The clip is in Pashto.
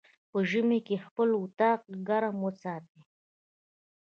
په ژمی کی خپل اطاق ګرم وساتی